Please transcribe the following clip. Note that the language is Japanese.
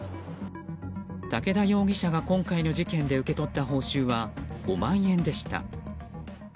武田容疑者が今回の事件で受け取った報酬は５万円でした。